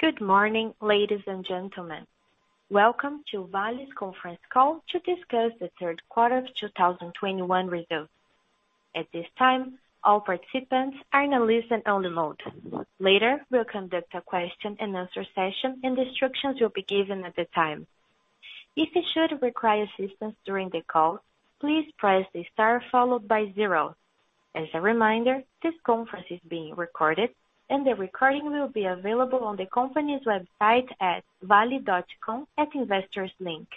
Good morning, ladies and gentlemen. Welcome to Vale's conference call to discuss the third quarter of 2021 results. At this time, all participants are in a listen-only mode. Later, we'll conduct a question and answer session and instructions will be given at the time. If you should require assistance during the call, please press the star followed by zero. As a reminder, this conference is being recorded and the recording will be available on the company's website at vale.com at Investors Link.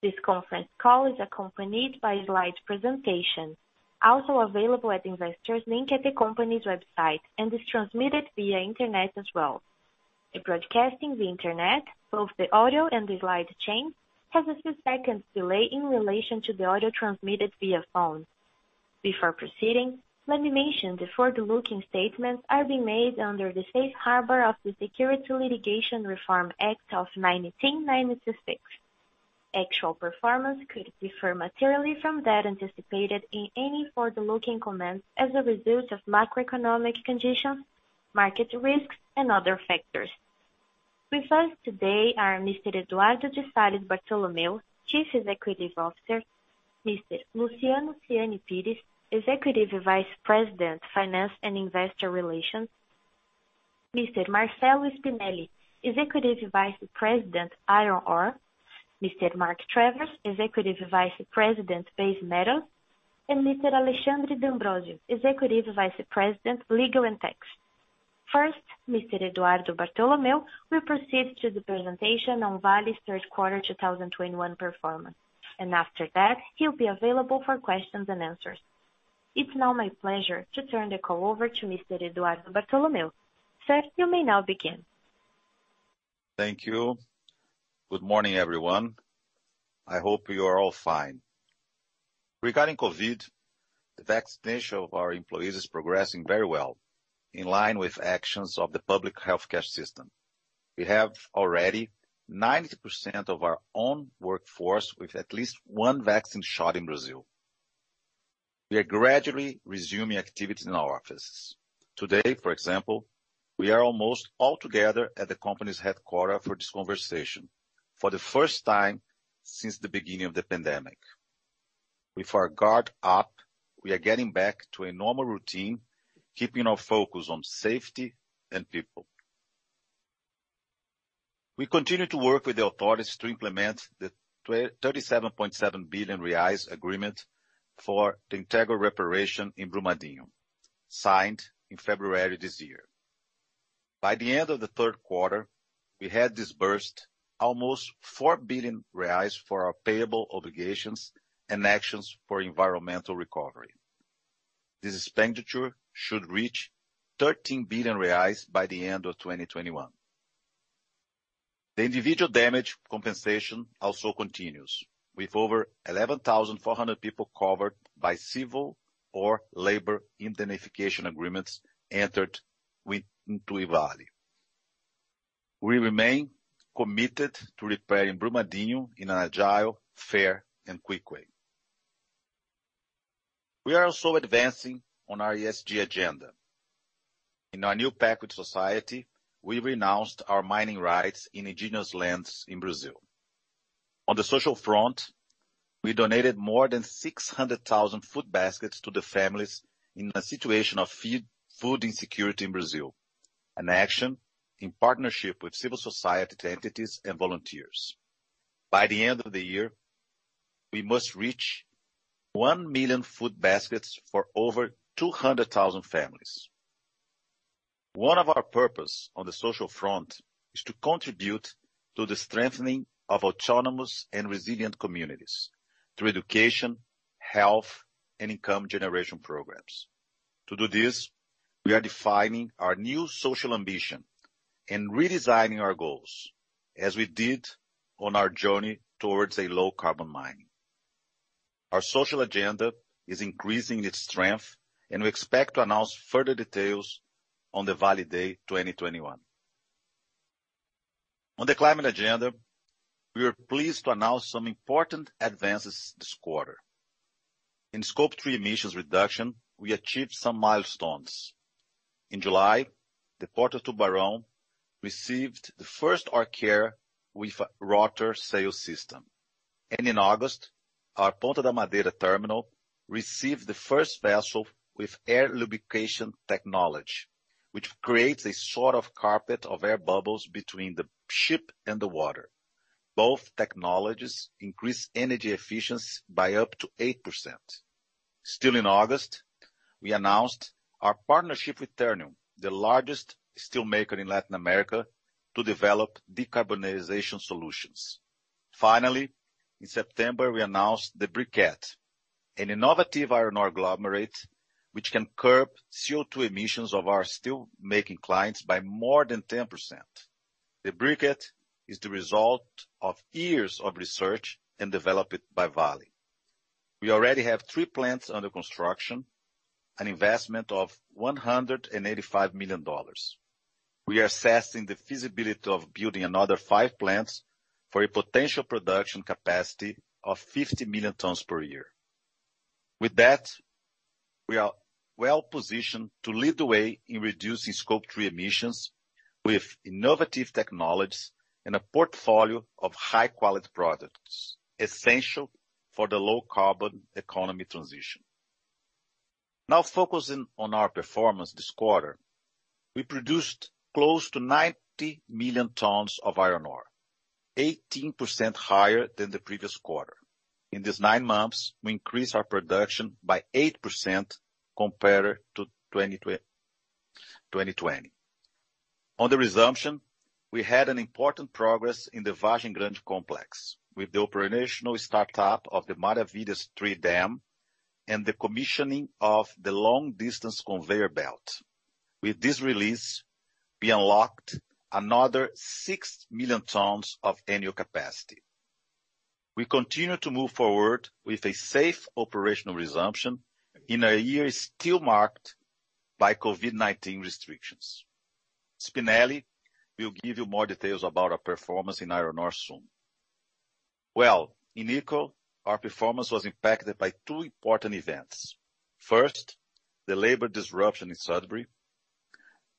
This conference call is accompanied by a slide presentation also available at Investors Link at the company's website and is transmitted via internet as well. The broadcast on the internet, both the audio and the slides have a few seconds delay in relation to the audio transmitted via phone. Before proceeding, let me mention the forward-looking statements are being made under the Safe Harbor of the Private Securities Litigation Reform Act of 1995. Actual performance could differ materially from that anticipated in any forward-looking comments as a result of macroeconomic conditions, market risks, and other factors. With us today are Mr. Eduardo de Salles Bartolomeo, Chief Executive Officer, Mr. Luciano Siani Pires, Executive Vice President, Finance and Investor Relations, Mr. Marcelo Spinelli, Executive Vice President, Iron Ore, Mr. Mark Travers, Executive Vice President, Base Metals, and Mr. Alexandre D'Ambrosio, Executive Vice President, Legal and Tax. First, Mr. Eduardo Bartolomeo will proceed to the presentation on Vale's third quarter 2021 performance, and after that, he'll be available for questions and answers. It's now my pleasure to turn the call over to Mr. Eduardo Bartolomeo. Sir, you may now begin. Thank you. Good morning, everyone. I hope you are all fine. Regarding COVID, the vaccination of our employees is progressing very well in line with actions of the public healthcare system. We have already 90% of our own workforce with at least one vaccine shot in Brazil. We are gradually resuming activities in our offices. Today, for example, we are almost all together at the company's headquarters for this conversation for the first time since the beginning of the pandemic. With our guard up, we are getting back to a normal routine, keeping our focus on safety and people. We continue to work with the authorities to implement the 37.7 billion reais agreement for the integral reparation in Brumadinho, signed in February this year. By the end of the third quarter, we had disbursed almost 4 billion reais for our payable obligations and actions for environmental recovery. This expenditure should reach 13 billion reais by the end of 2021. The individual damage compensation also continues with over 11,400 people covered by civil or labor indemnification agreements entered into with Vale. We remain committed to repairing Brumadinho in an agile, fair, and quick way. We are also advancing on our ESG agenda. In our new pact with society, we renounced our mining rights in indigenous lands in Brazil. On the social front, we donated more than 600,000 food baskets to the families in a situation of food insecurity in Brazil, an action in partnership with civil society entities and volunteers. By the end of the year, we must reach 1 million food baskets for over 200,000 families. One of our purpose on the social front is to contribute to the strengthening of autonomous and resilient communities through education, health, and income generation programs. To do this, we are defining our new social ambition and redesigning our goals as we did on our journey towards a low carbon mining. Our social agenda is increasing its strength, and we expect to announce further details on the Vale Day 2021. On the climate agenda, we are pleased to announce some important advances this quarter. In scope three emissions reduction, we achieved some milestones. In July, the Porto Tubarão received the first ore carrier with a rotor sail system. In August, our Ponta da Madeira terminal received the first vessel with air lubrication technology, which creates a sort of carpet of air bubbles between the ship and the water. Both technologies increase energy efficiency by up to 8%. Still in August, we announced our partnership with Ternium, the largest steel maker in Latin America, to develop de-carbonization solutions. Finally, in September, we announced the briquette, an innovative iron ore agglomerate, which can curb CO₂ emissions of our steel making clients by more than 10%. The briquette is the result of years of research and developed by Vale. We already have three plants under construction, an investment of $185 million. We are assessing the feasibility of building another five plants for a potential production capacity of 50 million tons per year. With that, we are well positioned to lead the way in reducing Scope 3 emissions with innovative technologies and a portfolio of high quality products essential for the low carbon economy transition. Now focusing on our performance this quarter, we produced close to 90 million tons of iron ore, 18% higher than the previous quarter. In these nine months, we increased our production by 8% compared to 2020. On the resumption, we had an important progress in the Vargem Grande complex with the operational startup of the Maravilhas III dam and the commissioning of the long-distance conveyor belt. With this release, we unlocked another 6 million tons of annual capacity. We continue to move forward with a safe operational resumption in a year still marked by COVID-19 restrictions. Spinelli will give you more details about our performance in iron ore soon. Well, in nickel, our performance was impacted by two important events. First, the labor disruption in Sudbury.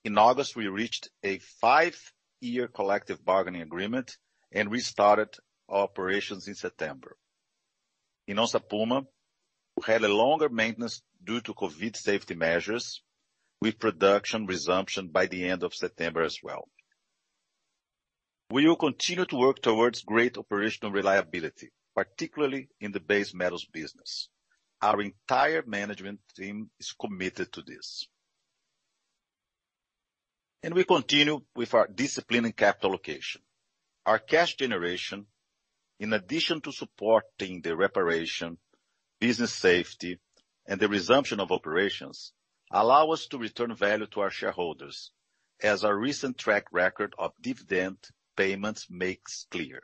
In August, we reached a five-year collective bargaining agreement and restarted operations in September. In Onça Puma, we had a longer maintenance due to COVID safety measures with production resumption by the end of September as well. We will continue to work towards great operational reliability, particularly in the base metals business. Our entire management team is committed to this. We continue with our discipline and capital allocation. Our cash generation, in addition to supporting the reparation, business safety, and the resumption of operations, allow us to return value to our shareholders as our recent track record of dividend payments makes clear.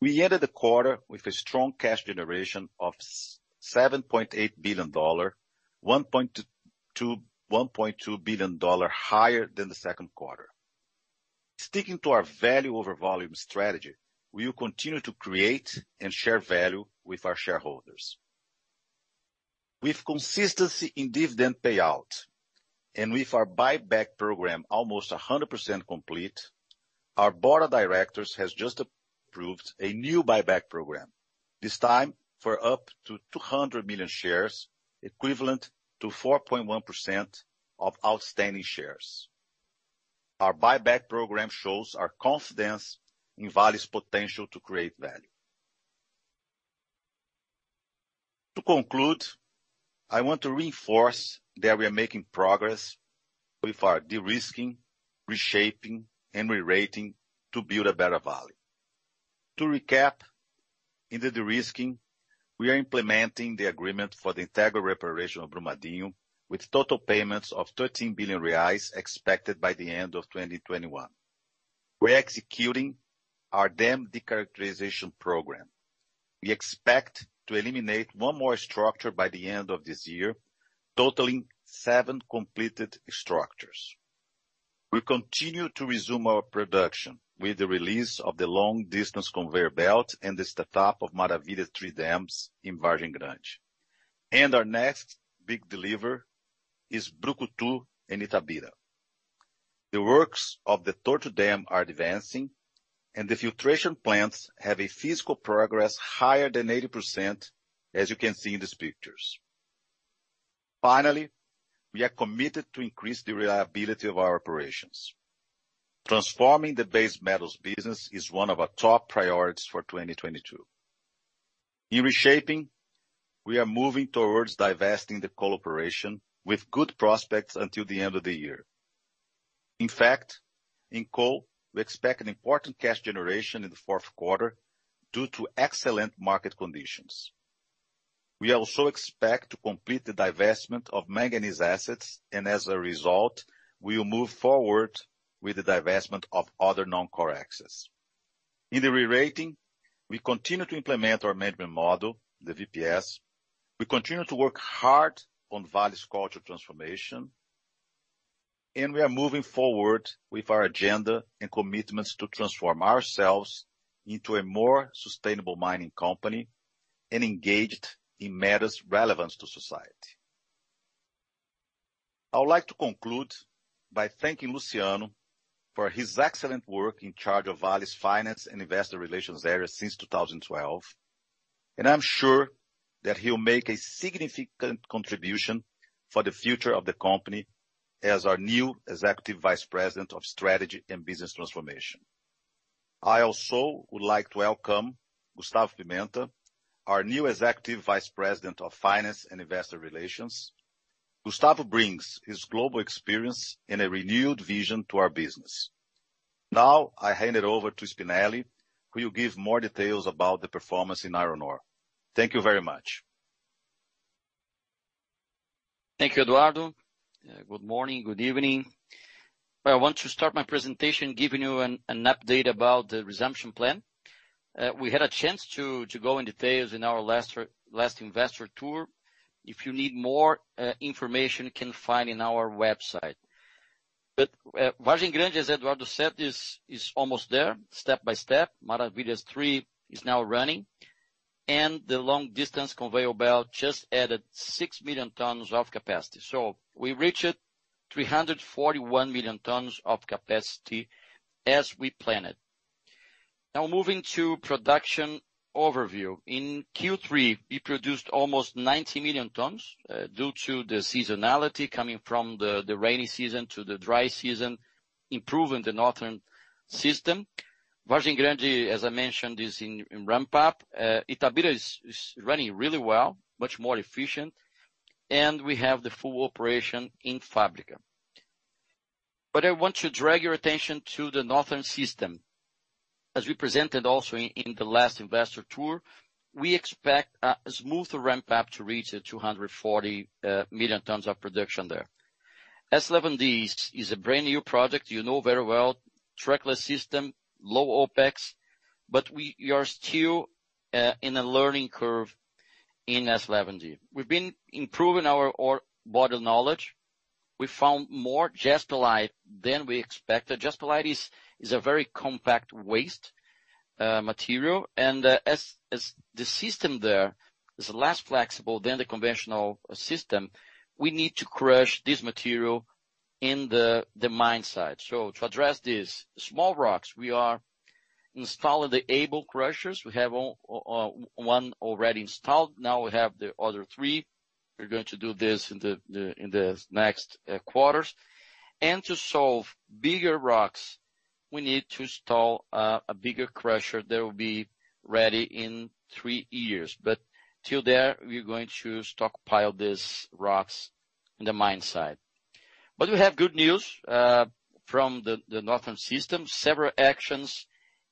We ended the quarter with a strong cash generation of $7.8 billion, $1.2 billion higher than the second quarter. Sticking to our value over volume strategy, we will continue to create and share value with our shareholders. With consistency in dividend payout and with our buyback program almost 100% complete, our board of directors has just approved a new buyback program, this time for up to 200 million shares, equivalent to 4.1% of outstanding shares. Our buyback program shows our confidence in Vale's potential to create value. To conclude, I want to reinforce that we are making progress with our de-risking, reshaping, and rerating to build a better value. To recap, in the de-risking, we are implementing the agreement for the integral reparation of Brumadinho with total payments of 13 billion reais expected by the end of 2021. We're executing our dam de-carbonization program. We expect to eliminate one more structure by the end of this year, totaling seven completed structures. We continue to resume our production with the release of the long-distance conveyor belt and the startup of Maravilhas III dams in Vargem Grande. Our next big delivery is Brucutu and Itabira. The works of the third dam are advancing, and the filtration plants have a physical progress higher than 80%, as you can see in these pictures. Finally, we are committed to increase the reliability of our operations. Transforming the base metals business is one of our top priorities for 2022. In reshaping, we are moving towards divesting the coal operation with good prospects until the end of the year. In fact, in coal, we expect an important cash generation in the fourth quarter due to excellent market conditions. We also expect to complete the divestment of manganese assets, and as a result, we will move forward with the divestment of other non-core assets. In the rerating, we continue to implement our management model, the VPS. We continue to work hard on Vale's culture transformation, and we are moving forward with our agenda and commitments to transform ourselves into a more sustainable mining company and engaged in matters relevant to society. I would like to conclude by thanking Luciano for his excellent work in charge of Vale's finance and investor relations area since 2012. I'm sure that he'll make a significant contribution for the future of the company as our new Executive Vice President of Strategy and Business Transformation. I also would like to welcome Gustavo Pimenta, our new Executive Vice President of Finance and Investor Relations. Gustavo brings his global experience and a renewed vision to our business. Now, I hand it over to Spinelli, who will give more details about the performance in iron ore. Thank you very much. Thank you, Eduardo. Good morning, good evening. I want to start my presentation giving you an update about the resumption plan. We had a chance to go into details in our last investor tour. If you need more information, you can find it on our website. Vargem Grande, as Eduardo said, is almost there, step by step. Maravilhas III is now running, and the long-distance conveyor belt just added 6 million tons of capacity. We reached 341 million tons of capacity as we planned. Now moving to production overview. In Q3, we produced almost 90 million tons due to the seasonality coming from the rainy season to the dry season, improving the northern system. Vargem Grande, as I mentioned, is in ramp up. Itabira is running really well, much more efficient, and we have the full operation in Fábrica. I want to draw your attention to the northern system. As we presented also in the last investor tour, we expect a smoother ramp up to reach 240 million tons of production there. S11D is a brand-new project you know very well, trackless system, low OpEx, but we are still in a learning curve in S11D. We've been improving our body of knowledge. We found more jaspilite than we expected. Jaspilite is a very compact waste material, and as the system there is less flexible than the conventional system, we need to crush this material in the mine site. To address this, small rocks, we are installing the jaspilite crushers. We have one already installed. Now we have the other three. We're going to do this in the next quarters. To solve bigger rocks, we need to install a bigger crusher that will be ready in three years. Till then, we're going to stockpile these rocks in the mine site. We have good news from the northern system. Several actions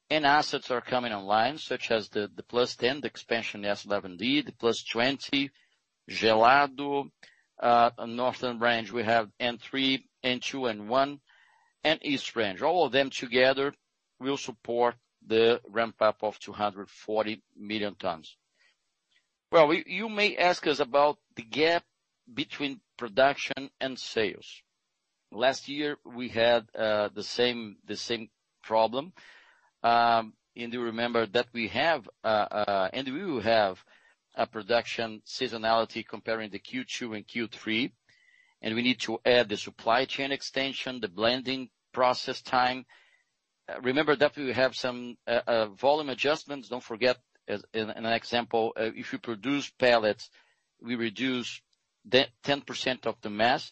and assets are coming online, such as the +10, the expansion S11D, the +20, Gelado. On northern range, we have N3, N2, N1, and east range. All of them together will support the ramp up of 240 million tons. Well, you may ask us about the gap between production and sales. Last year, we had the same problem, and you remember that we have and we will have a production seasonality comparing the Q2 and Q3, and we need to add the supply chain extension, the blending process time. Remember that we have some volume adjustments. Don't forget an example, if you produce pellets, we reduce 10% of the mass.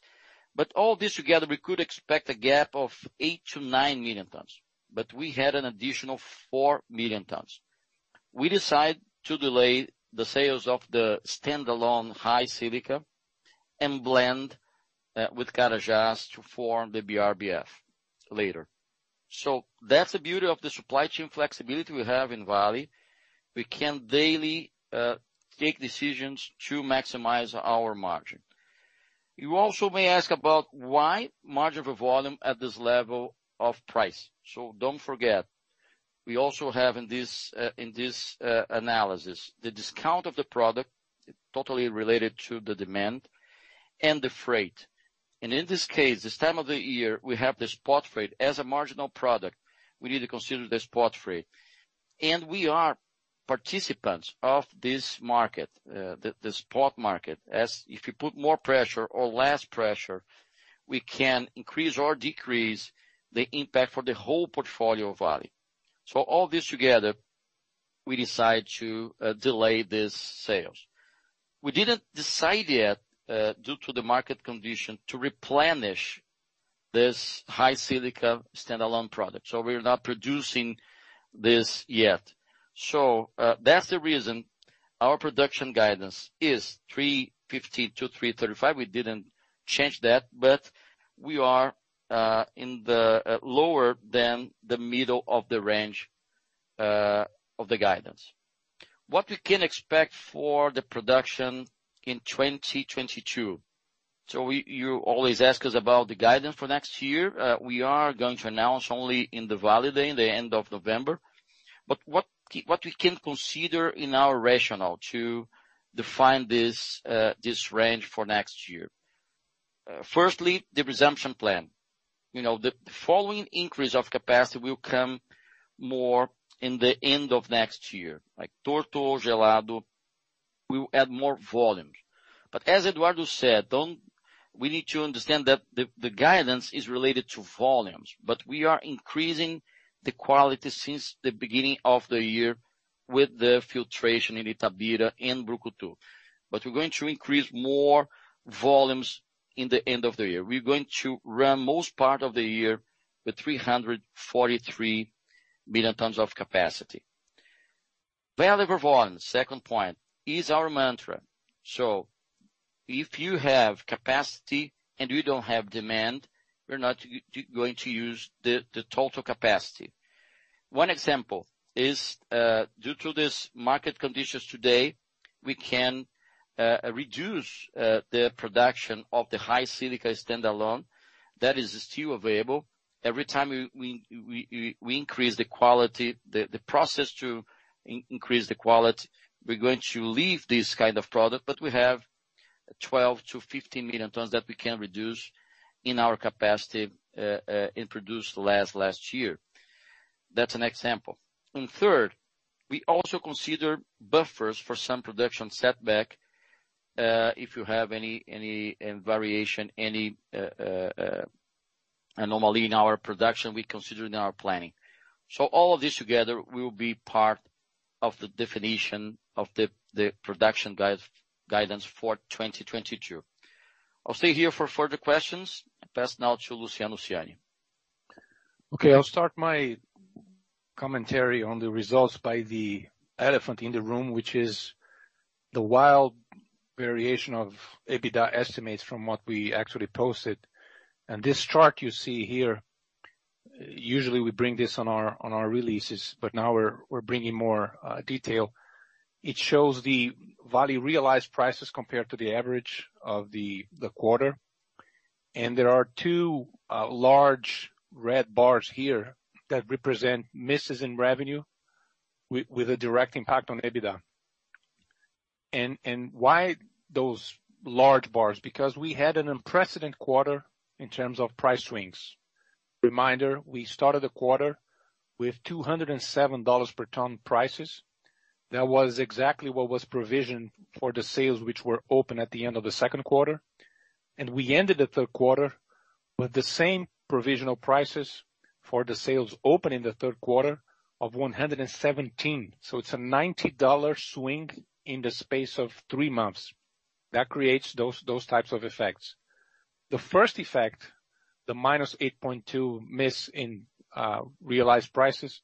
All this together, we could expect a gap of 8-9 million tons, but we had an additional 4 million tons. We decide to delay the sales of the standalone high silica and blend with Carajás to form the BRBF later. That's the beauty of the supply chain flexibility we have in Vale. We can daily take decisions to maximize our margin. You also may ask about why margin of volume at this level of price. Don't forget, we also have in this analysis the discount of the product, totally related to the demand and the freight. In this case, this time of the year, we have the spot freight. As a marginal product, we need to consider the spot freight. We are participants of this market, the spot market. As if you put more pressure or less pressure, we can increase or decrease the impact for the whole portfolio value. All this together, we decide to delay these sales. We didn't decide yet, due to the market condition, to replenish this high silica standalone product. We're not producing this yet. That's the reason our production guidance is 350-335. We didn't change that, but we are in the lower than the middle of the range of the guidance. What we can expect for the production in 2022. You always ask us about the guidance for next year. We are going to announce only in the Vale Day, in the end of November. What we can consider in our rationale to define this range for next year. First, the resumption plan. You know, the following increase of capacity will come more in the end of next year, like Torto, Gelado, we will add more volumes. As Eduardo said, we need to understand that the guidance is related to volumes, but we are increasing the quality since the beginning of the year with the filtration in Itabira and Brucutu. We're going to increase more volumes in the end of the year. We're going to run most part of the year with 343 million tons of capacity. Value over volume, second point, is our mantra. If you have capacity and you don't have demand, you're not going to use the total capacity. One example is due to this market conditions today. We can reduce the production of the high silica standalone that is still available. Every time we increase the quality, the process to increase the quality, we're going to leave this kind of product, but we have 12-15 million tons that we can reduce in our capacity in production last year. That's an example. Third, we also consider buffers for some production setback if you have any variation, any anomaly in our production, we consider in our planning. All of this together will be part of the definition of the production guidance for 2022. I'll stay here for further questions. Pass now to Luciano Siani. Okay, I'll start my commentary on the results by the elephant in the room, which is the wild variation of EBITDA estimates from what we actually posted. This chart you see here, usually we bring this on our releases, but now we're bringing more detail. It shows the value realized prices compared to the average of the quarter. There are two large red bars here that represent misses in revenue with a direct impact on EBITDA. Why those large bars? Because we had an unprecedented quarter in terms of price swings. Reminder, we started the quarter with $207 per ton prices. That was exactly what was provisioned for the sales which were open at the end of the second quarter. We ended the third quarter with the same provisional prices for the sales open in the third quarter of 117. It's a $90 swing in the space of three months. That creates those types of effects. The first effect, the -8.2 miss in realized prices,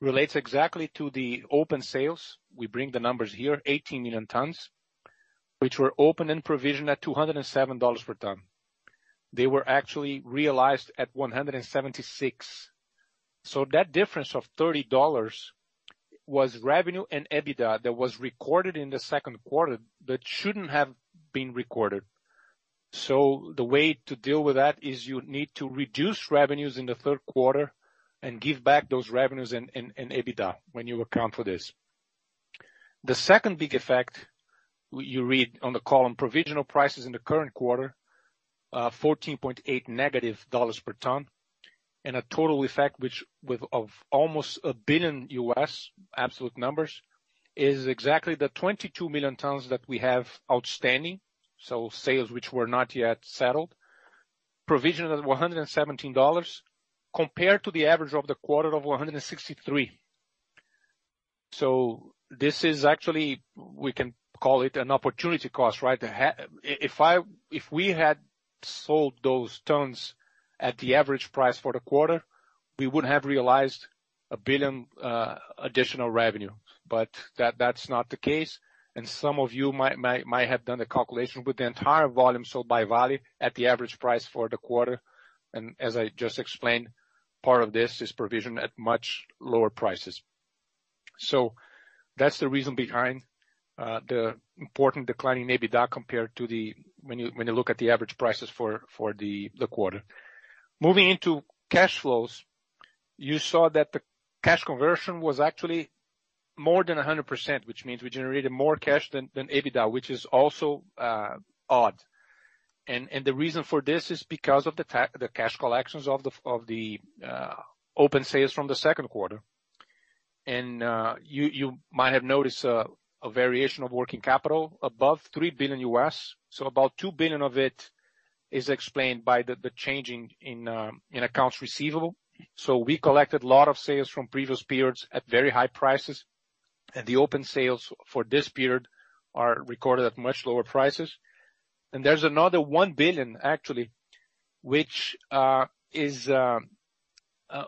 relates exactly to the open sales. We bring the numbers here, 18 million tons, which were open in provision at $207 per ton. They were actually realized at 176. That difference of $30 was revenue and EBITDA that was recorded in the second quarter that shouldn't have been recorded. The way to deal with that is you need to reduce revenues in the third quarter and give back those revenues and EBITDA when you account for this. The second big effect, you read on the column, provisional prices in the current quarter, -$14.8/ton, and a total effect which is of almost $1 billion absolute numbers, is exactly the 22 million tons that we have outstanding, so sales which were not yet settled. Provision of $117 compared to the average of the quarter of $163. This is actually, we can call it an opportunity cost, right? If we had sold those tons at the average price for the quarter, we would have realized $1 billion additional revenue. But that's not the case. Some of you might have done the calculation with the entire volume sold by Vale at the average price for the quarter. As I just explained, part of this is provisioned at much lower prices. That's the reason behind the important decline in EBITDA compared to when you look at the average prices for the quarter. Moving into cash flows, you saw that the cash conversion was actually more than 100%, which means we generated more cash than EBITDA, which is also odd. The reason for this is because of the cash collections of the open sales from the second quarter. You might have noticed a variation of working capital above $3 billion. About $2 billion of it is explained by the change in accounts receivable. We collected a lot of sales from previous periods at very high prices, and the open sales for this period are recorded at much lower prices. There's another $1 billion, actually, which is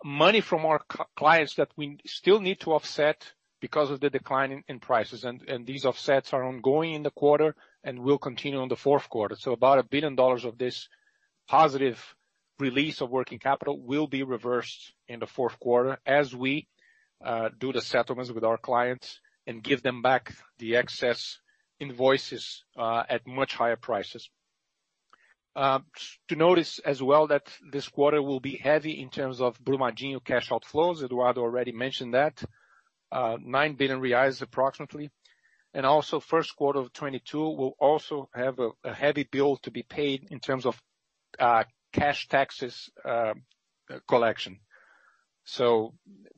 money from our clients that we still need to offset because of the decline in prices. These offsets are ongoing in the quarter and will continue in the fourth quarter. About $1 billion of this positive release of working capital will be reversed in the fourth quarter as we do the settlements with our clients and give them back the excess invoices at much higher prices. To note as well that this quarter will be heavy in terms of Brumadinho cash outflows. Eduardo already mentioned that, approximately 9 billion reais. Also first quarter of 2022 will also have a heavy bill to be paid in terms of cash taxes collection.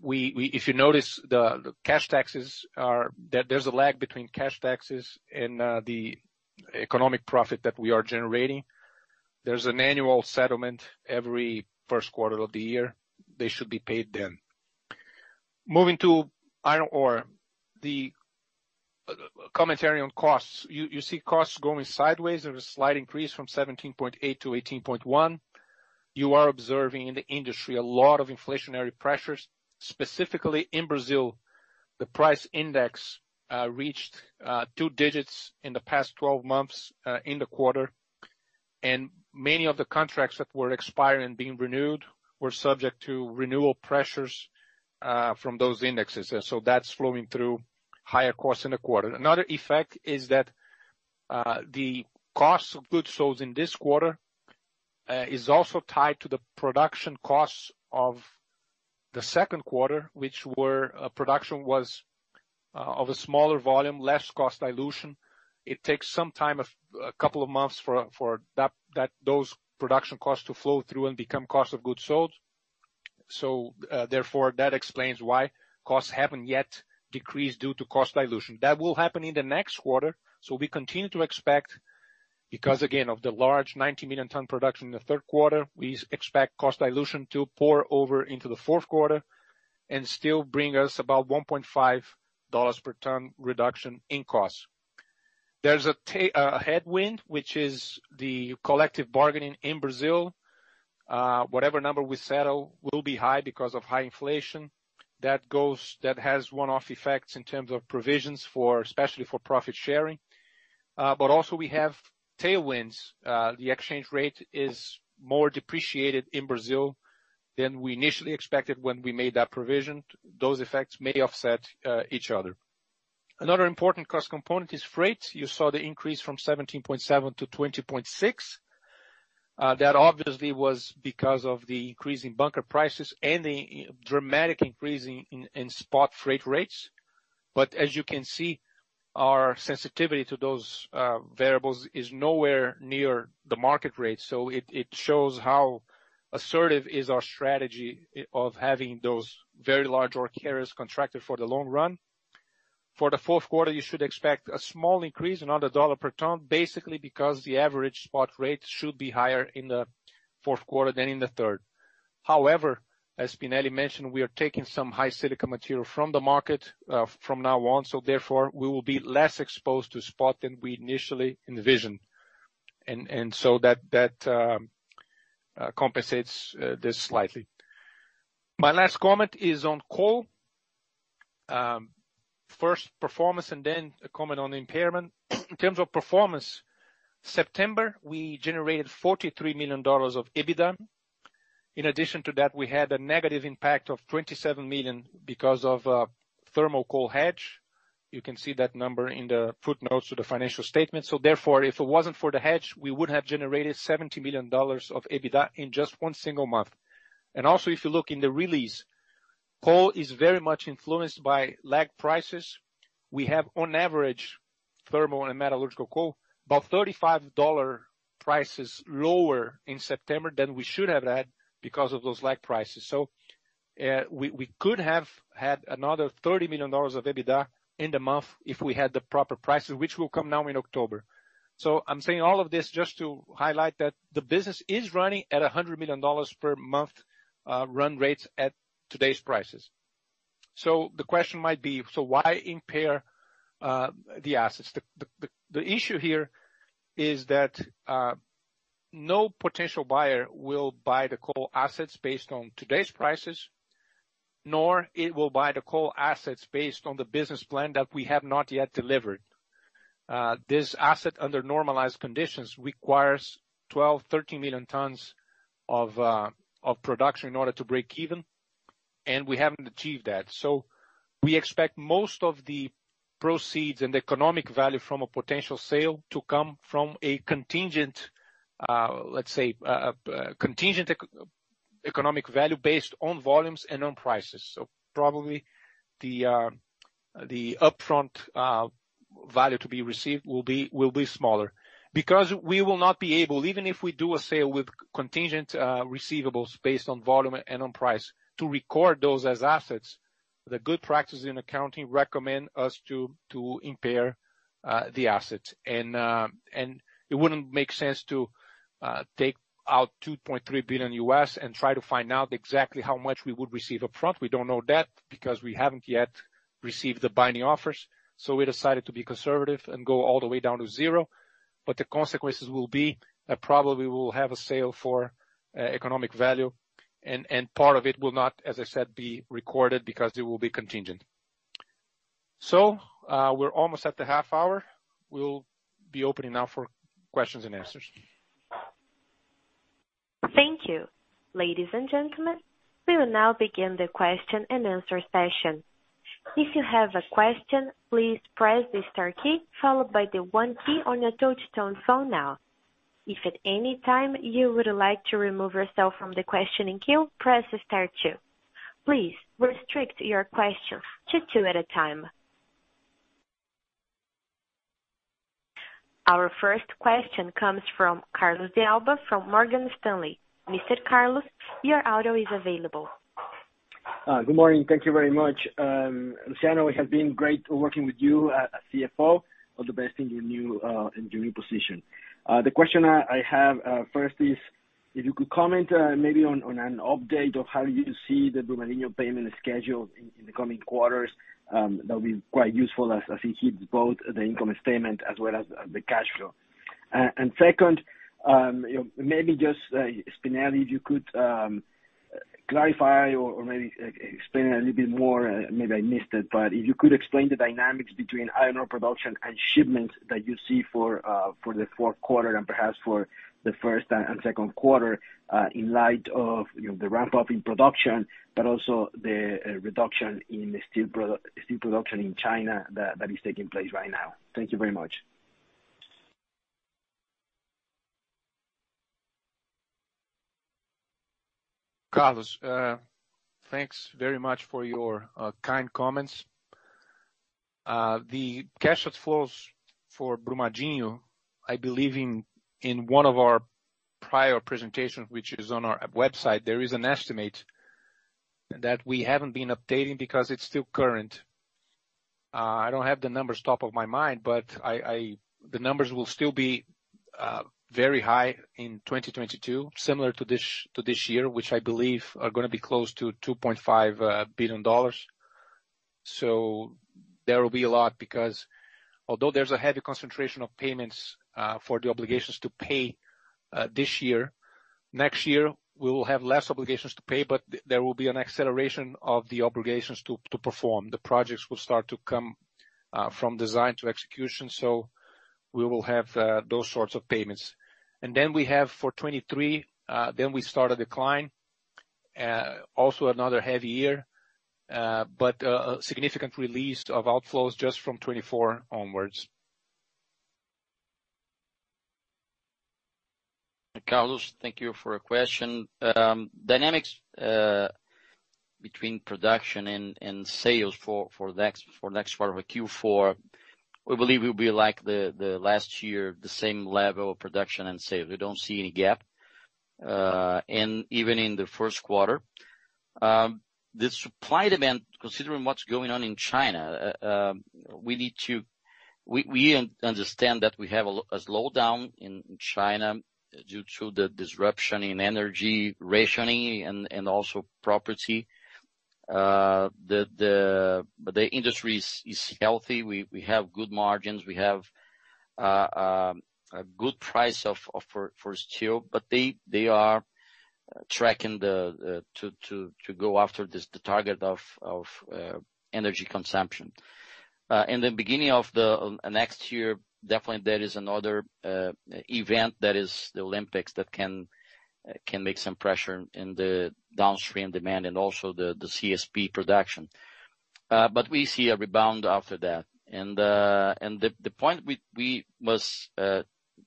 If you notice the cash taxes are. There, there's a lag between cash taxes and the economic profit that we are generating. There's an annual settlement every first quarter of the year. They should be paid then. Moving to iron ore, the commentary on costs. You see costs going sideways. There's a slight increase from 17.8 to 18.1. You are observing in the industry a lot of inflationary pressures, specifically in Brazil, the price index reached two digits in the past 12 months in the quarter. Many of the contracts that were expiring and being renewed were subject to renewal pressures from those indexes. That's flowing through higher costs in the quarter. Another effect is that the cost of goods sold in this quarter is also tied to the production costs of the second quarter, which were production of a smaller volume, less cost dilution. It takes some time, a couple of months for those production costs to flow through and become cost of goods sold. Therefore, that explains why costs haven't yet decreased due to cost dilution. That will happen in the next quarter. We continue to expect because again of the large 90 million ton production in the third quarter, we expect cost dilution to carry over into the fourth quarter and still bring us about $1.5 per ton reduction in costs. There's a headwind, which is the collective bargaining in Brazil. Whatever number we settle will be high because of high inflation. That has one-off effects in terms of provisions for, especially for profit sharing. Also we have tailwinds. The exchange rate is more depreciated in Brazil than we initially expected when we made that provision. Those effects may offset each other. Another important cost component is freight. You saw the increase from $17.7-$20.6. That obviously was because of the increase in bunker prices and the dramatic increase in spot freight rates. As you can see, our sensitivity to those variables is nowhere near the market rate. It shows how assertive is our strategy of having those very large ore carriers contracted for the long run. For the fourth quarter, you should expect a small increase, another $1 per ton, basically because the average spot rate should be higher in the fourth quarter than in the third. However, as Spinelli mentioned, we are taking some high silica material from the market, from now on, so therefore we will be less exposed to spot than we initially envisioned, so that compensates this slightly. My last comment is on coal. First performance and then a comment on impairment. In terms of performance, September, we generated $43 million of EBITDA. In addition to that, we had a negative impact of $27 million because of a thermal coal hedge. You can see that number in the footnotes to the financial statement. Therefore, if it wasn't for the hedge, we would have generated $70 million of EBITDA in just one single month. Also, if you look in the release, coal is very much influenced by lag prices. We have on average, thermal and metallurgical coal, about $35 prices lower in September than we should have had because of those lag prices. We could have had another $30 million of EBITDA in the month if we had the proper prices, which will come now in October. I'm saying all of this just to highlight that the business is running at a $100 million per month run rate at today's prices. The question might be, why impair the assets? The issue here is that no potential buyer will buy the coal assets based on today's prices, nor it will buy the coal assets based on the business plan that we have not yet delivered. This asset, under normalized conditions, requires 12-13 million tons of production in order to break even, and we haven't achieved that. We expect most of the proceeds and economic value from a potential sale to come from a contingent economic value based on volumes and on prices. Probably the upfront value to be received will be smaller. Because we will not be able, even if we do a sale with contingent receivables based on volume and on price, to record those as assets. The good practices in accounting recommend us to impair the assets. It wouldn't make sense to take out $2.3 billion and try to find out exactly how much we would receive upfront. We don't know that because we haven't yet received the binding offers. We decided to be conservative and go all the way down to zero. The consequences will be that probably we'll have a sale for economic value, and part of it will not, as I said, be recorded because it will be contingent. We're almost at the half hour. We'll be opening now for questions and answers. Thank you. Ladies and gentlemen, we will now begin the question and answer session. If you have a question, please press the star key followed by the one key on your touch tone phone now. If at any time you would like to remove yourself from the questioning queue, press star two. Please restrict your question to two at a time. Our first question comes from Carlos de Alba from Morgan Stanley. Mr. Carlos, your audio is available. Good morning. Thank you very much. Luciano, it has been great working with you as CFO. All the best in your new position. The question I have first is if you could comment maybe on an update of how you see the Brumadinho payment schedule in the coming quarters, that would be quite useful as it hits both the income statement as well as the cash flow. Second, maybe just Spinelli, if you could, clarify or maybe explain a little bit more, maybe I missed it, but if you could explain the dynamics between iron ore production and shipments that you see for the fourth quarter and perhaps for the first and second quarter, in light of, you know, the ramp-up in production, but also the reduction in the steel production in China that is taking place right now. Thank you very much. Carlos, thanks very much for your kind comments. The cash outflows for Brumadinho, I believe in one of our prior presentations, which is on our website, there is an estimate that we haven't been updating because it's still current. I don't have the numbers top of my mind, but the numbers will still be very high in 2022, similar to this year, which I believe are gonna be close to $2.5 billion. There will be a lot because although there's a heavy concentration of payments for the obligations to pay this year, next year we will have less obligations to pay, but there will be an acceleration of the obligations to perform. The projects will start to come from design to execution. We will have those sorts of payments. Then we have for 2023, then we start a decline. Also another heavy year, but a significant release of outflows just from 2024 onwards. Carlos, thank you for your question. Dynamics between production and sales for next part of Q4, we believe it will be like the last year, the same level of production and sales. We don't see any gap and even in the first quarter. The supply-demand, considering what's going on in China, we understand that we have a slowdown in China due to the disruption in energy rationing and also property. The industry is healthy. We have good margins. We have a good price for steel, but they are tracking to go after this target of energy consumption. In the beginning of next year, definitely there is another event that is the Olympics that can make some pressure in the downstream demand and also the CSP production. We see a rebound after that. The point we must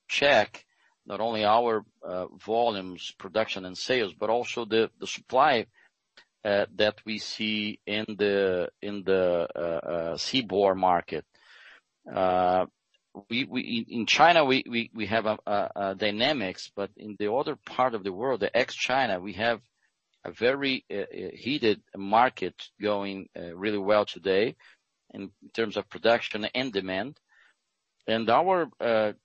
check not only our volumes, production and sales, but also the supply that we see in the seaborne market. In China, we have a dynamics, but in the other part of the world, the ex-China, we have a very heated market going really well today in terms of production and demand. Our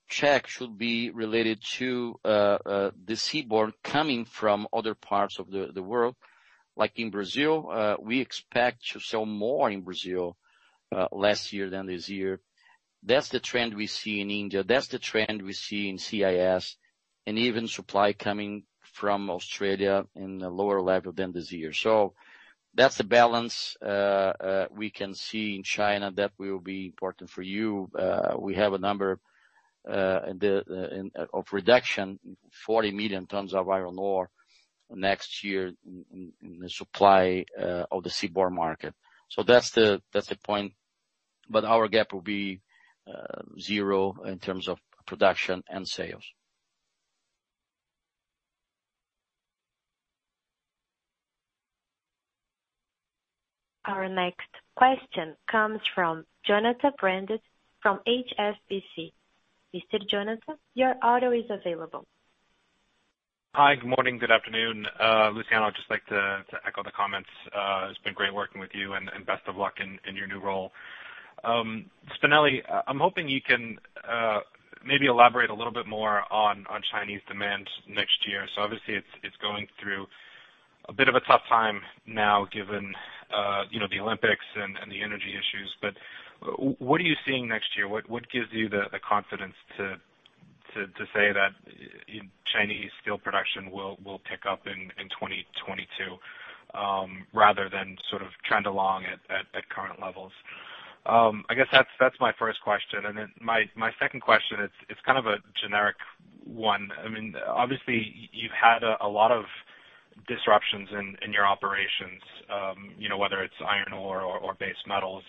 check should be related to the seaborne coming from other parts of the world. Like in Brazil, we expect to sell more in Brazil last year than this year. That's the trend we see in India. That's the trend we see in CIS and even supply coming from Australia in a lower level than this year. That's the balance we can see in China that will be important for you. We have a number of reduction, 40 million tons of iron ore next year in the supply of the seaborne market. That's the point. Our gap will be zero in terms of production and sales. Our next question comes from Jonathan Brandt from HSBC. Mr. Jonathan, your audio is available. Hi, good morning, good afternoon. Luciano, I'd just like to echo the comments. It's been great working with you, and best of luck in your new role. Spinelli, I'm hoping you can maybe elaborate a little bit more on Chinese demand next year. Obviously it's going through a bit of a tough time now given you know the Olympics and the energy issues. What are you seeing next year? What gives you the confidence to say that Chinese steel production will pick up in 2022 rather than sort of trend along at current levels? I guess that's my first question. Then my second question is, it's kind of a generic one. I mean, obviously you've had a lot of disruptions in your operations, you know, whether it's iron ore or base metals.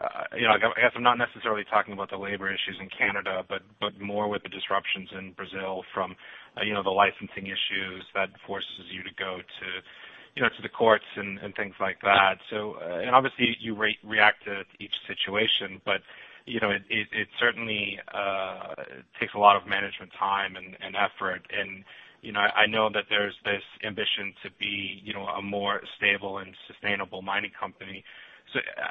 I guess I'm not necessarily talking about the labor issues in Canada, but more with the disruptions in Brazil from, you know, the licensing issues that forces you to go to, you know, to the courts and things like that. Obviously you react to each situation, but, you know, it certainly takes a lot of management time and effort. I know that there's this ambition to be, you know, a more stable and sustainable mining company.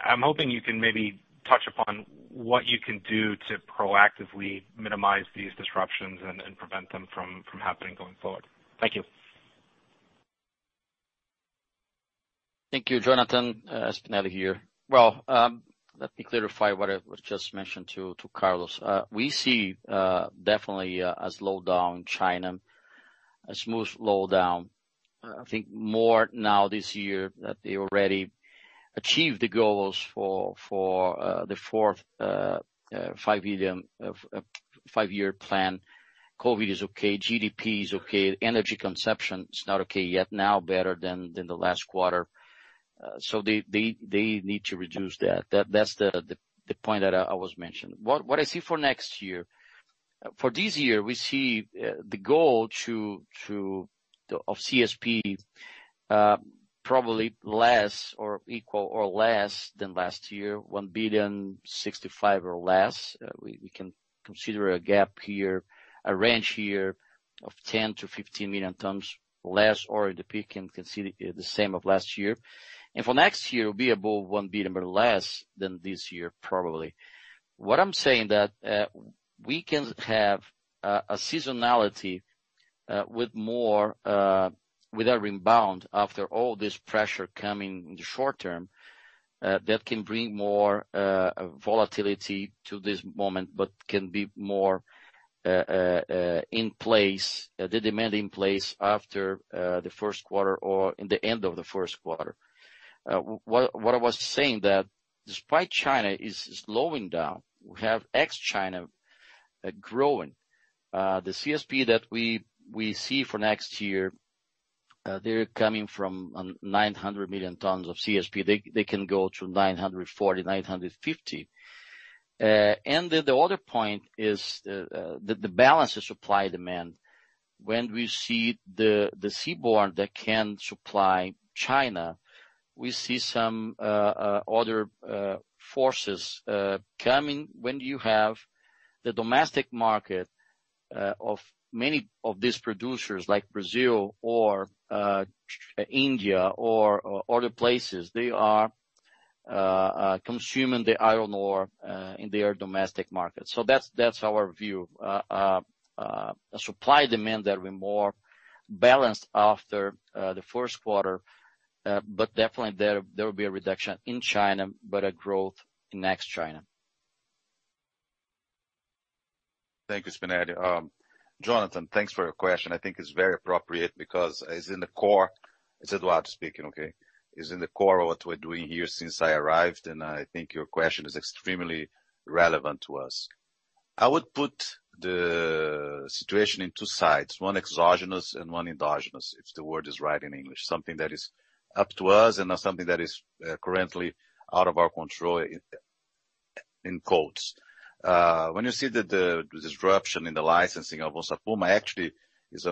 I'm hoping you can maybe touch upon what you can do to proactively minimize these disruptions and prevent them from happening going forward. Thank you. Thank you, Jonathan. Spinelli here. Well, let me clarify what I was just mentioning to Carlos. We see definitely a slowdown in China, a smooth slowdown. I think more now this year that they already achieved the goals for the fourth five-year plan. COVID is okay, GDP is okay, energy consumption is not okay yet, now better than the last quarter. So they need to reduce that. That's the point that I was mentioning. For this year, we see the goal of CSP probably less or equal or less than last year, 1.065 billion or less. We can consider a gap here, a range here of 10-15 million tons less, or the peak can consider the same of last year. For next year, it will be above 1 billion, but less than this year, probably. What I'm saying that we can have a seasonality with more, with a rebound after all this pressure coming in the short term that can bring more volatility to this moment, but can be more in place, the demand in place after the first quarter or in the end of the first quarter. What I was saying that despite China is slowing down, we have ex-China growing. The CSP that we see for next year, they're coming from 900 million tons of CSP. They can go to $940, $950. The other point is the balance of supply-demand. When we see the seaborne that can supply China, we see some other forces coming when you have the domestic market of many of these producers like Brazil or India or other places. They are consuming the iron ore in their domestic market. That's our view, supply-demand that will be more balanced after the first quarter. Definitely, there will be a reduction in China, but a growth in ex-China. Thank you, Spinelli. Jonathan, thanks for your question. I think it's very appropriate because it's in the core. It's Eduardo speaking, okay? It's in the core of what we're doing here since I arrived, and I think your question is extremely relevant to us. I would put the situation in two sides, one exogenous and one endogenous, if the word is right in English, something that is up to us and something that is currently out of our control in quotes. When you see the disruption in the licensing of Onça Puma, actually is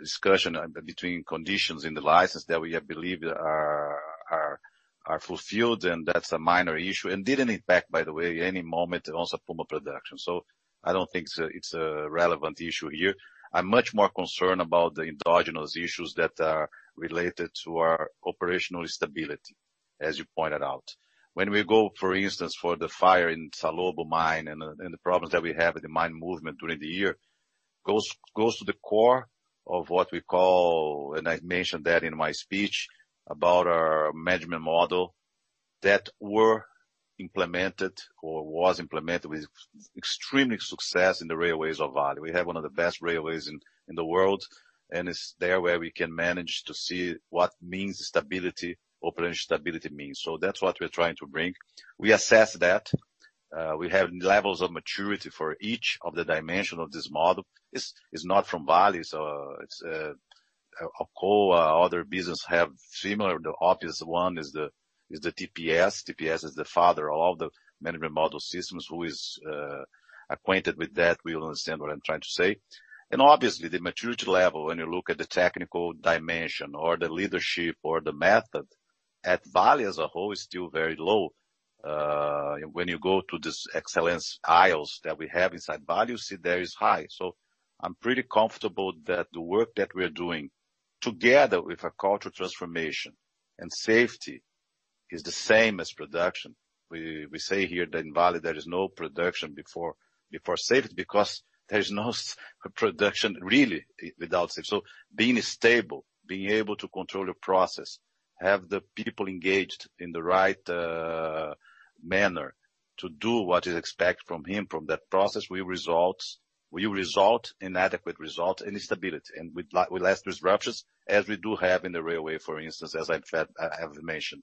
discussion between conditions in the license that we have believed are fulfilled, and that's a minor issue. Didn't impact, by the way, any moment in Onça Puma production. I don't think it's a relevant issue here. I'm much more concerned about the endogenous issues that are related to our operational stability, as you pointed out. When we go, for instance, for the fire in Salobo mine and the problems that we have in the mine movement during the year, goes to the core of what we call, and I mentioned that in my speech about our management model that were implemented or was implemented with extremely success in the railways of Vale. We have one of the best railways in the world, and it's there where we can manage to see what means stability, operational stability means. That's what we're trying to bring. We assess that. We have levels of maturity for each of the dimension of this model. It's not from Vale. It's OpCo, other business have similar. The obvious one is the TPS. TPS is the father of all the management model systems. Who is acquainted with that will understand what I'm trying to say. Obviously, the maturity level, when you look at the technical dimension or the leadership or the method at Vale as a whole, is still very low. When you go to this excellence aisles that we have inside Vale, you see there is high. I'm pretty comfortable that the work that we're doing together with a cultural transformation and safety is the same as production. We say here that in Vale, there is no production before safety because there is no safe production really without safety. Being stable, being able to control your process, have the people engaged in the right manner to do what is expected from him, from that process, will result in adequate result and stability. With less disruptions as we do have in the railway, for instance, as I've mentioned.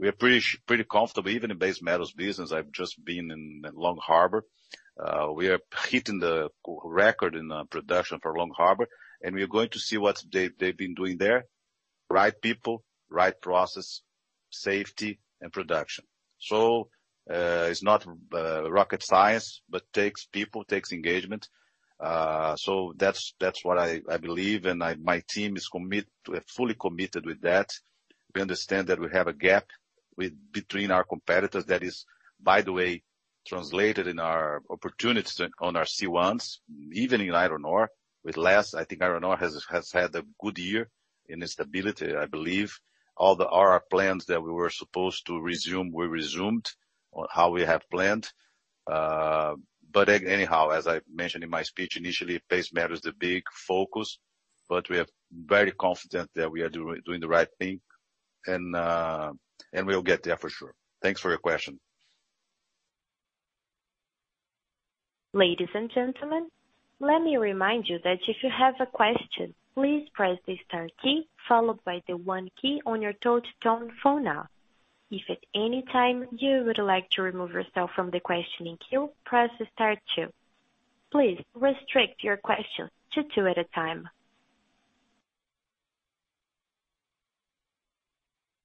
We are pretty comfortable even in base metals business. I've just been in Long Harbor. We are hitting the record in production for Long Harbor, and we are going to see what they've been doing there. Right people, right process, safety and production. It's not rocket science, but takes people, takes engagement. That's what I believe, and my team is fully committed with that. We understand that we have a gap between our competitors. That is, by the way, translated in our opportunities on our C1s, even in iron ore. With less, I think iron ore has had a good year in stability, I believe. All the RR plans that we were supposed to resume were resumed on how we have planned. Anyhow, as I mentioned in my speech, initially pace matters the big focus, but we are very confident that we are doing the right thing and we'll get there for sure. Thanks for your question. Ladies and gentlemen, let me remind you that if you have a question, please press the Star key followed by the One key on your touch tone phone now. If at any time you would like to remove yourself from the questioning queue, press star two. Please restrict your questions to two at a time.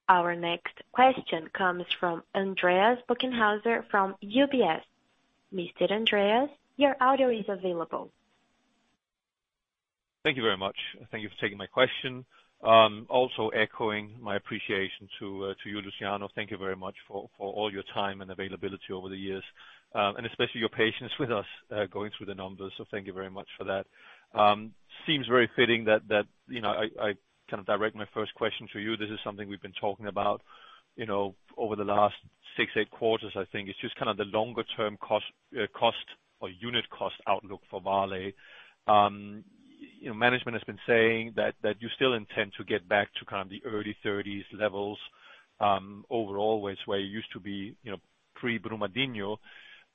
Our next question comes from Andreas Bokkenheuser from UBS. Mr. Andreas, your audio is available. Thank you very much. Thank you for taking my question. Also echoing my appreciation to you, Luciano. Thank you very much for all your time and availability over the years, and especially your patience with us going through the numbers. Thank you very much for that. Seems very fitting that you know, I kind of direct my first question to you. This is something we've been talking about, you know, over the last six, eight quarters, I think. It's just kind of the longer term cost or unit cost outlook for Vale. You know, management has been saying that you still intend to get back to kind of the early thirties levels, overall, which is where you used to be, you know, pre-Brumadinho.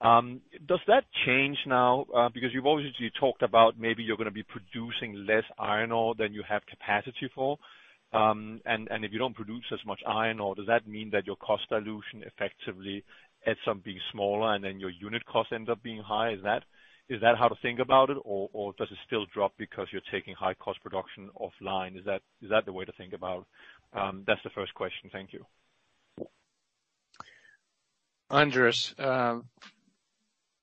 Does that change now, because you've obviously talked about maybe you're gonna be producing less iron ore than you have capacity for? And if you don't produce as much iron ore, does that mean that your cost dilution effectively ends up being smaller, and then your unit cost ends up being high? Is that how to think about it? Or does it still drop because you're taking high cost production offline? Is that the way to think about it? That's the first question. Thank you. Andreas, I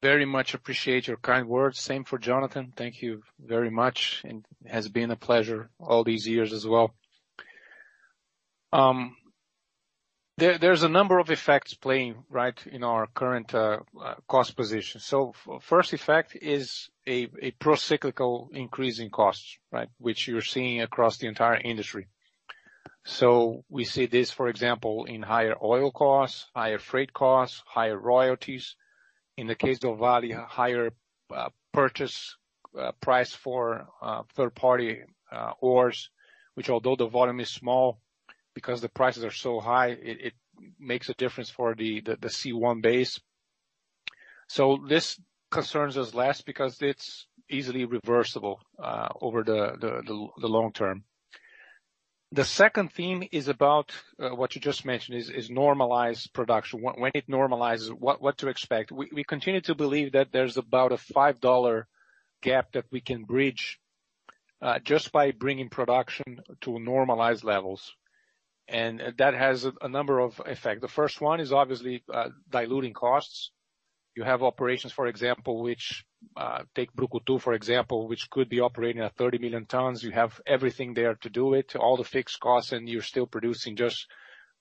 very much appreciate your kind words. Same for Jonathan. Thank you very much, and it has been a pleasure all these years as well. There's a number of effects playing, right, in our current cost position. First effect is a pro-cyclical increase in costs, right? Which you're seeing across the entire industry. We see this, for example, in higher oil costs, higher freight costs, higher royalties. In the case of Vale, higher purchase price for third-party ores, which although the volume is small because the prices are so high, it makes a difference for the C1 base. This concerns us less because it's easily reversible, over the long term. The second theme is about what you just mentioned, normalized production. When it normalizes, what to expect? We continue to believe that there's about a $5 gap that we can bridge, just by bringing production to normalized levels, and that has a number of effects. The first one is obviously diluting costs. You have operations, for example, which take Brucutu, for example, which could be operating at 30 million tons. You have everything there to do it, all the fixed costs, and you're still producing just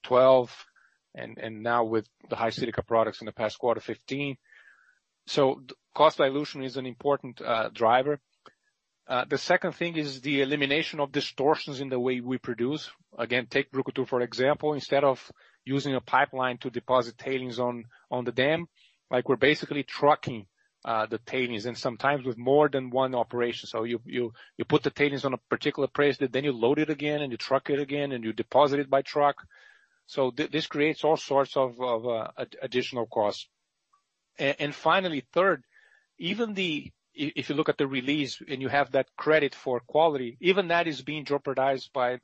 12, and now with the high silica products in the past quarter, 15. So cost dilution is an important driver. The second thing is the elimination of distortions in the way we produce. Again, take Brucutu for example. Instead of using a pipeline to deposit tailings on the dam, like we're basically trucking the tailings and sometimes with more than one operation. You put the tailings on a particular place, then you load it again and you truck it again and you deposit it by truck. This creates all sorts of additional costs. Finally, third, even if you look at the release and you have that credit for quality, even that is being jeopardized by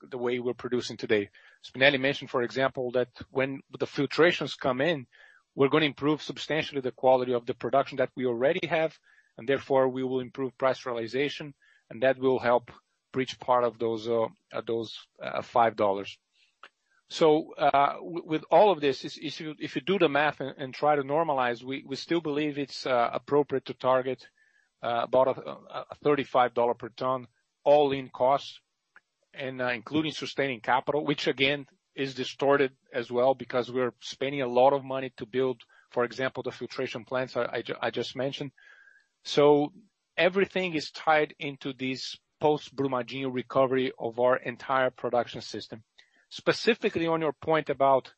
the way we're producing today. Spinelli mentioned, for example, that when the filtrations come in, we're gonna improve substantially the quality of the production that we already have, and therefore we will improve price realization, and that will help bridge part of those $5. With all of this, if you do the math and try to normalize, we still believe it's appropriate to target about a $35 per ton all-in cost and including sustaining capital, which again is distorted as well because we're spending a lot of money to build, for example, the filtration plants I just mentioned. Everything is tied into this post-Brumadinho recovery of our entire production system. Specifically, on your point about,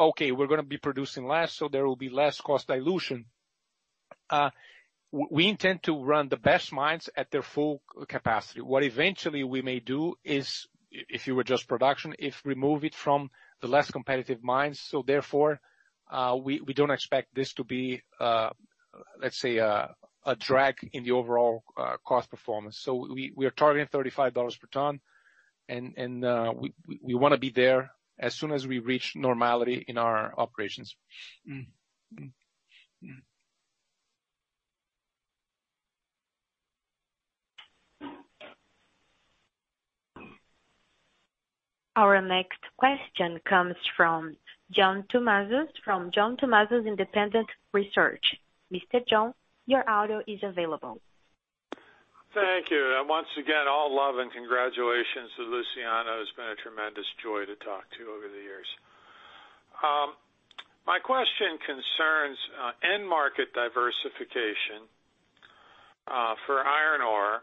okay, we're gonna be producing less, so there will be less cost dilution. We intend to run the best mines at their full capacity. What eventually we may do is, if you adjust production, remove it from the less competitive mines. Therefore, we don't expect this to be, let's say, a drag in the overall cost performance. We are targeting $35 per ton and we want to be there as soon as we reach normality in our operations. Our next question comes from John Tumazos from John Tumazos Independent Research. Mr. John, your audio is available. Thank you. Once again, all love and congratulations to Luciano. It's been a tremendous joy to talk to you over the years. My question concerns end market diversification for iron ore,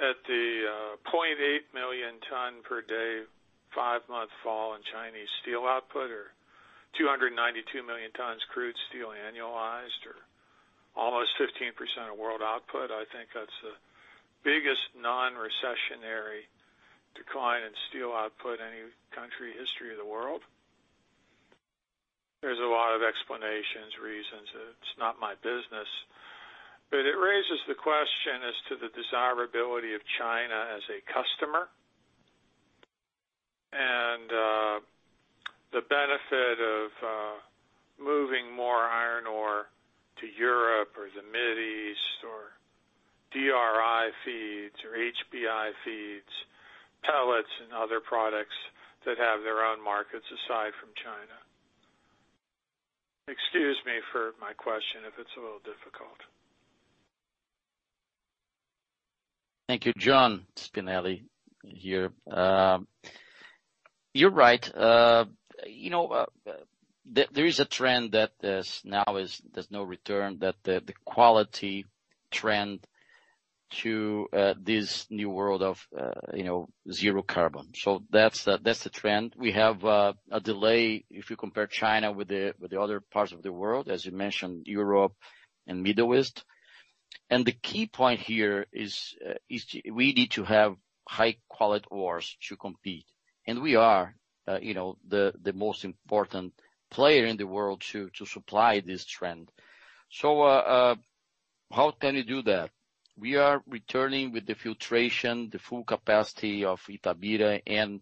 0.8 million tons per day, 5-month fall in Chinese steel output or 292 million tons crude steel annualized, or almost 15% of world output. I think that's the biggest non-recessionary decline in steel output in any country history of the world. There's a lot of explanations, reasons. It's not my business. It raises the question as to the desirability of China as a customer and the benefit of moving more iron ore to Europe or the Mid East or DRI feeds or HBI feeds, pellets and other products that have their own markets aside from China. Excuse me for my question if it's a little difficult. Thank you, John. Spinelli here. You're right. You know, there is a trend that now there's no return to the quality trend to this new world of you know, zero carbon. So that's the trend. We have a delay if you compare China with the other parts of the world, as you mentioned, Europe and Middle East. The key point here is we need to have high quality ores to compete. We are you know, the most important player in the world to supply this trend. How can we do that? We are returning with the filtration, the full capacity of Itabira and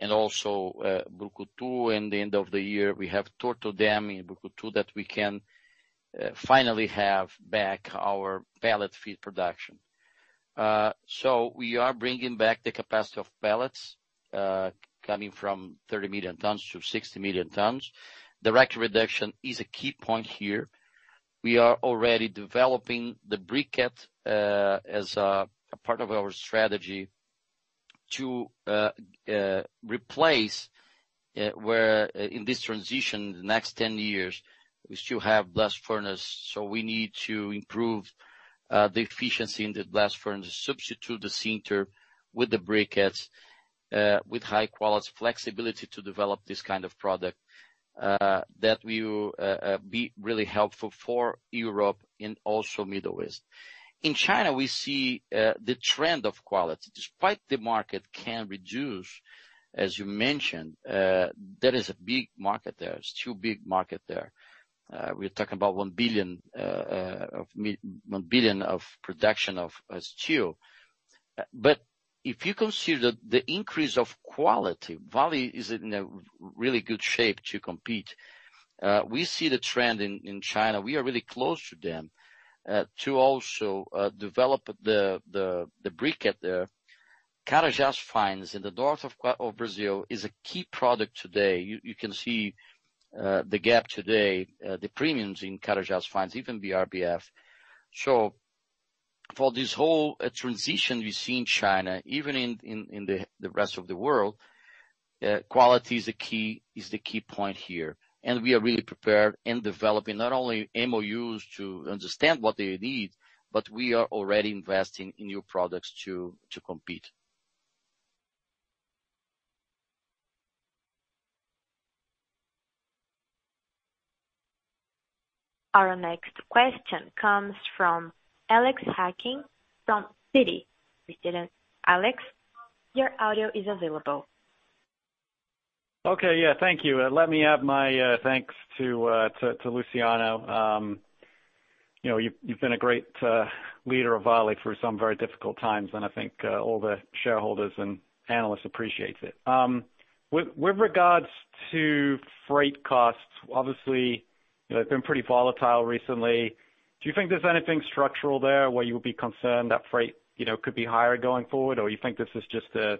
also Brucutu. In the end of the year, we have Torto dam in Brucutu that we can finally have back our pellet feed production. We are bringing back the capacity of pellets coming from 30 million tons to 60 million tons. Direct reduction is a key point here. We are already developing the briquette as a part of our strategy to replace where in this transition, the next 10 years, we still have blast furnace. We need to improve the efficiency in the blast furnace, substitute the sinter with the briquettes with high quality, flexibility to develop this kind of product that will be really helpful for Europe and also Middle East. In China, we see the trend of quality. Despite the market can reduce, as you mentioned, there is a big market there. It's too big market there. We're talking about 1 billion of production of steel. But if you consider the increase of quality, Vale is in a really good shape to compete. We see the trend in China. We are really close to them to also develop the briquette there. Carajás fines in the north of Brazil is a key product today. You can see the gap today, the premiums in Carajás fines, even the BRBF. So for this whole transition we see in China, even in the rest of the world, quality is the key point here. We are really prepared in developing not only MOUs to understand what they need, but we are already investing in new products to compete. Our next question comes from Alex Hacking from Citi. Alex, your audio is available. Okay. Yeah. Thank you. Let me add my thanks to Luciano. You know, you've been a great leader of Vale through some very difficult times, and I think all the shareholders and analysts appreciate it. With regards to freight costs, obviously, you know, they've been pretty volatile recently. Do you think there's anything structural there where you would be concerned that freight, you know, could be higher going forward? Or you think this is just a,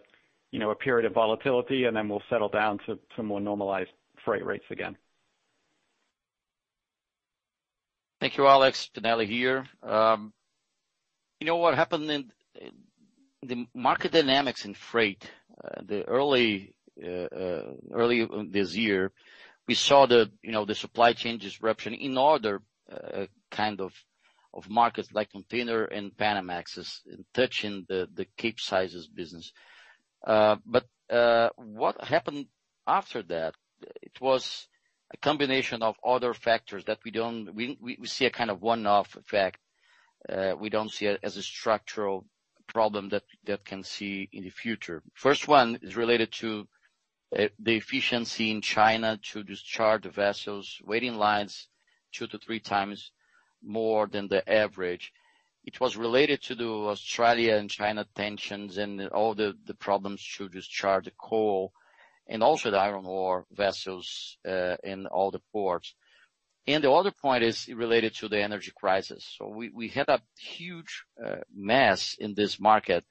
you know, a period of volatility, and then we'll settle down to some more normalized freight rates again? Thank you, Alex. Spinelli here. You know what happened in the market dynamics in freight early this year. We saw you know, the supply chain disruption in other kind of markets like containers and Panamaxes touching the Capesizes business. What happened after that, it was a combination of other factors that we don't see as a kind of one-off effect. We don't see it as a structural problem that can be seen in the future. First one is related to the efficiency in China to discharge the vessels, waiting lines 2-3x more than the average. It was related to the Australia and China tensions and all the problems to discharge the coal and also the iron ore vessels in all the ports. The other point is related to the energy crisis. We had a huge mess in this market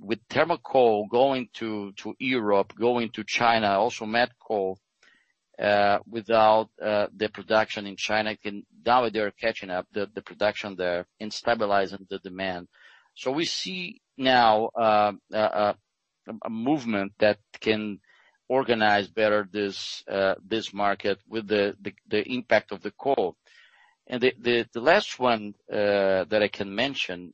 with thermal coal going to Europe, going to China, also met coal without the production in China. Now they're catching up the production there and stabilizing the demand. We see now a movement that can organize better this market with the impact of the coal. The last one that I can mention,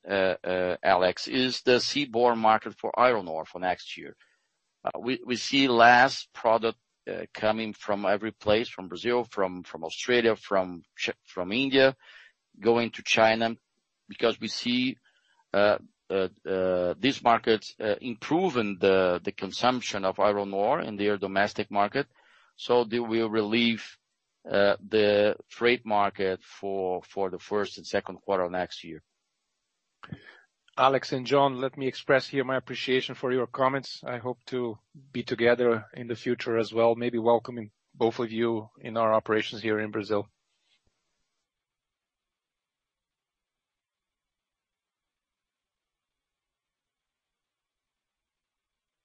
Alex, is the seaborne market for iron ore for next year. We see less product coming from every place, from Brazil, from Australia, from India, going to China because we see these markets improving the consumption of iron ore in their domestic market. They will relieve the trade market for the first and second quarter next year. Alex and John, let me express here my appreciation for your comments. I hope to be together in the future as well, maybe welcoming both of you in our operations here in Brazil.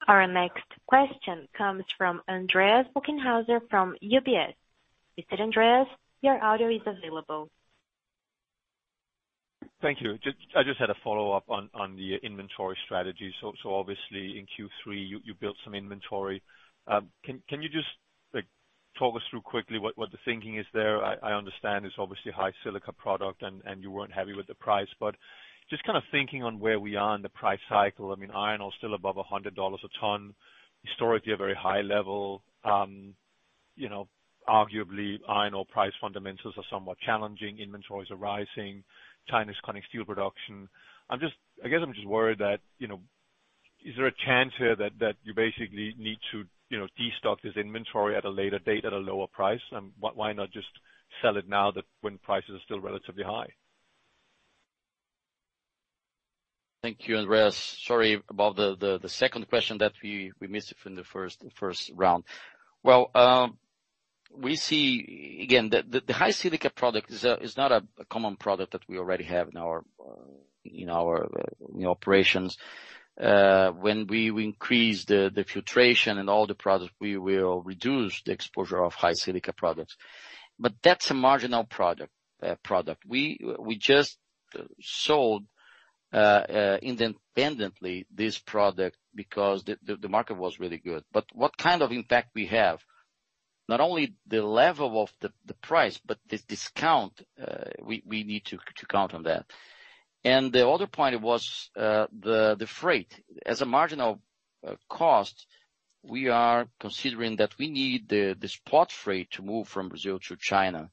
Our next question comes from Andreas Bokkenheuser from UBS. Mr. Andreas, your audio is available. Thank you. Just, I just had a follow-up on the inventory strategy. Obviously in Q3, you built some inventory. Can you just, like, talk us through quickly what the thinking is there? I understand it's obviously high silica product and you weren't happy with the price, but just kind of thinking on where we are in the price cycle. I mean, iron ore is still above $100 a ton. Historically, a very high level. You know, arguably iron ore price fundamentals are somewhat challenging. Inventories are rising. China is cutting steel production. I'm just, I guess I'm worried that, you know, is there a chance here that you basically need to, you know, destock this inventory at a later date at a lower price? Why not just sell it now, when prices are still relatively high? Thank you, Andreas. Sorry about the second question that we missed it from the first round. Well, we see again, the high silica product is not a common product that we already have in our operations. When we increase the filtration and all the products, we will reduce the exposure of high silica products. But that's a marginal product. We just sold independently this product because the market was really good. But what kind of impact we have, not only the level of the price, but the discount, we need to count on that. The other point was the freight. As a marginal cost, we are considering that we need the spot freight to move from Brazil to China.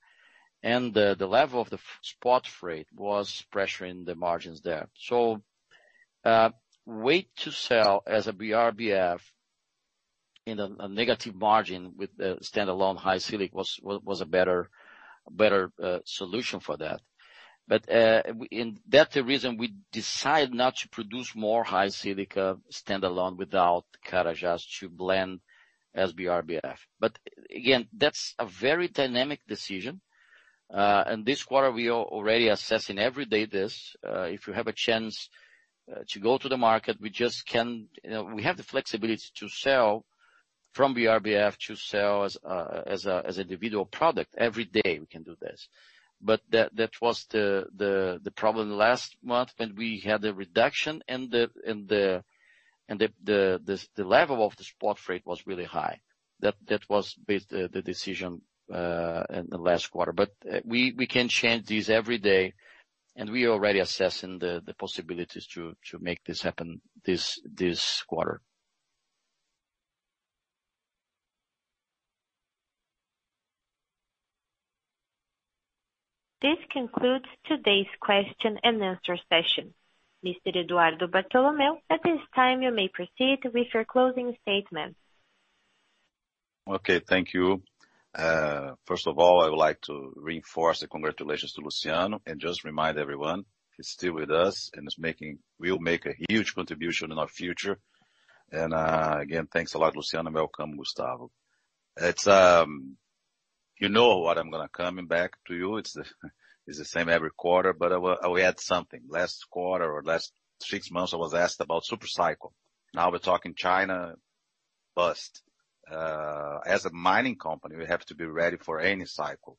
The level of the freight spot freight was pressuring the margins there. Wait to sell as a BRBF in a negative margin with a standalone high silica was a better solution for that. That's the reason we decide not to produce more high silica standalone without Carajás to blend as BRBF. But again, that's a very dynamic decision. This quarter we are already assessing every day this if you have a chance to go to the market. We just can, you know, we have the flexibility to sell from BRBF to sell as an individual product every day we can do this. That was the problem last month when we had a reduction and the level of the spot freight was really high. That was the decision in the last quarter. We can change this every day, and we are already assessing the possibilities to make this happen this quarter. This concludes today's question and answer session. Mr. Eduardo Bartolomeo, at this time, you may proceed with your closing statement. Okay. Thank you. First of all, I would like to reinforce the congratulations to Luciano and just remind everyone he's still with us and will make a huge contribution in our future. Again, thanks a lot, Luciano. Welcome, Gustavo. It's, you know, what I'm gonna come back to you. It's the same every quarter, but we had something. Last quarter or last six months, I was asked about super cycle. Now we're talking China bust. As a mining company, we have to be ready for any cycle.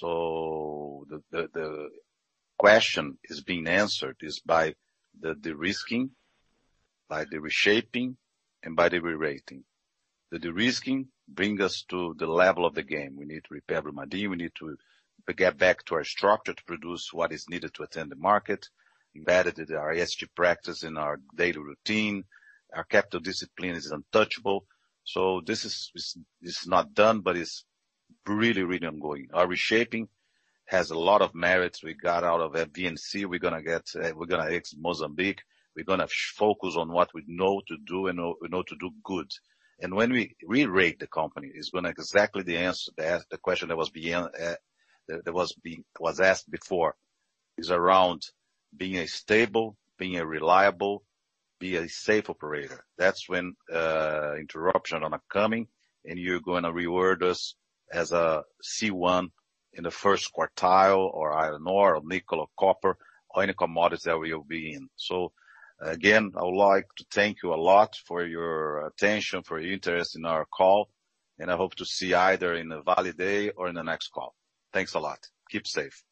The question is being answered by the de-risking, by the reshaping, and by the rerating. The de-risking bring us to the level of the game. We need to repair Brumadinho. We need to get back to our structure to produce what is needed to attend the market, embedded in our ESG practice in our daily routine. Our capital discipline is untouchable. This is not done, but it's really ongoing. Our reshaping has a lot of merits we got out of VNC. We're gonna exit Mozambique. We're gonna focus on what we know to do and know to do good. When we re-rate the company, it's gonna be exactly the answer to the question that was being asked before, is around being a stable, reliable, safe operator. That's when no interruption's coming, and you're gonna reward us as a C1 in the first quartile of iron ore or nickel or copper or any commodities that we will be in. Again, I would like to thank you a lot for your attention, for your interest in our call, and I hope to see you either in the Vale Day or in the next call. Thanks a lot. Keep safe.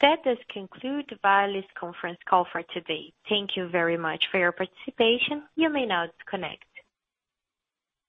That does conclude Vale's conference call for today. Thank you very much for your participation. You may now disconnect.